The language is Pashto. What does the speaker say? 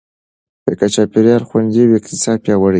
که چاپېریال خوندي وي، اقتصاد پیاوړی کېږي.